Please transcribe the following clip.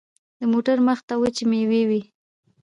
د موټر مخته وچې مېوې وې.